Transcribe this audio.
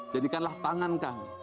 jadikanlah tangan kami